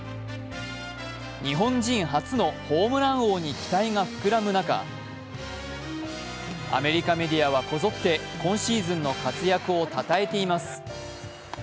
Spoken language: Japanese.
日本人初のホームラン王に期待が膨らむ中アメリカメディアはこぞって今シーズンの活躍をたたえています。